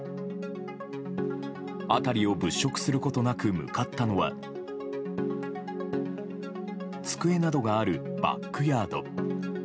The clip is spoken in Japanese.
辺りを物色することなく向かったのは机などがあるバックヤード。